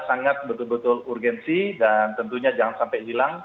sangat betul betul urgensi dan tentunya jangan sampai hilang